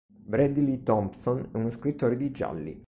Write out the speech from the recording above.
Bradley Thompson è uno scrittore di gialli.